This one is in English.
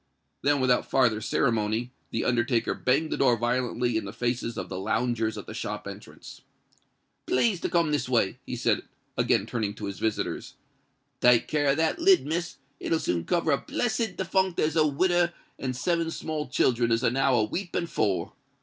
Then, without farther ceremony, the undertaker banged the door violently in the faces of the loungers at the shop entrance. "Please to come this way," he said, again turning to his visitors. "Take care of that lid, Miss; it'll soon cover a blessed defunct as a widder and seven small childern is now a weeping for.